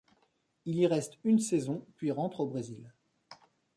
Il y reste une saison puis rentre au Brésil.